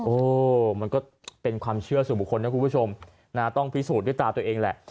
โอ้มันก็เป็นความเชื่อสู่บุคคลนะคุณผู้ชมนะต้องพิสูจน์ด้วยตาตัวเองแหละ